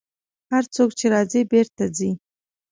هر څوک چې راځي، بېرته ځي.